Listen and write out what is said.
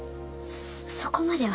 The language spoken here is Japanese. そそこまでは。